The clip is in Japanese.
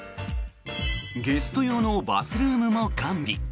ゲスト用のバスルームも完備。